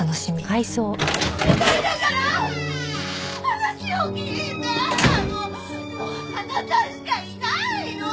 もうあなたしかいないの！